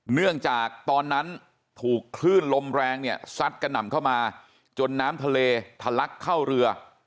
เนื่องจากตอนนั้นถูกคลื่นลมแรงเนี่ยซัดกระหน่ำเข้ามาจนน้ำทะเลทะลักเข้าเรือ